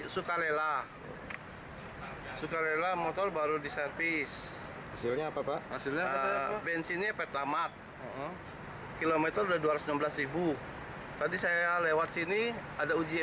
surat cinta surat tilang